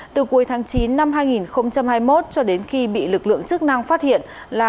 từ cuối tháng chín năm hai nghìn hai mươi một cho đến khi bị lực lượng chức năng phát hiện là